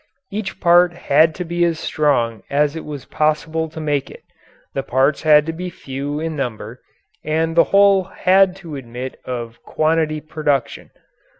Each part had to be as strong as it was possible to make it, the parts had to be few in number, and the whole had to admit of quantity production.